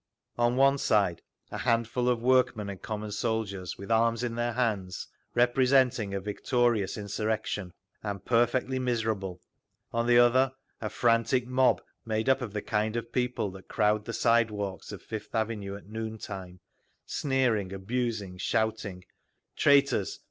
On one side a handful of workmen and common soldiers, with arms in their hands, representing a victorious insurrection—and perfectly miserable; on the other a frantic mob made up of the kind of people that crowd the sidewalks of Fifth Avenue at noon time, sneering, abusing, shouting, "Traitors!